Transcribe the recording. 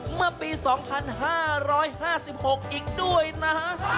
เมื่อปี๒๕๕๖อีกด้วยนะ